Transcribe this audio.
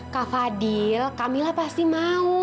kak fadil kamilah pasti mau